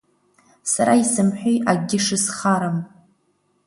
Сара исымҳәеи акгьы шысхарам.